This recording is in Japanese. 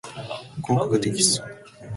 合格テキスト